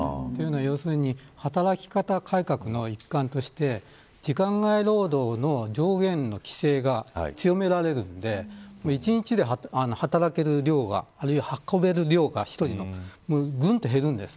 要するに働き方改革の一環として時間外労働の上限の規制が強められるので一日で働ける量が運べる量がぐんと減るんです。